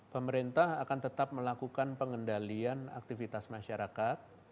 pemerintah akan tetap melakukan pengendalian aktivitas masyarakat